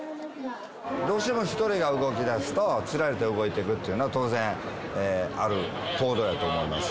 どうしても一人が動きだすと、つられて動いてくっていうのは、当然ある行動やと思います。